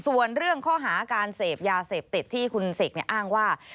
ส่วนเรื่องข้อหาการเสพยาเสพติดที่คุณเสกอ้างว่า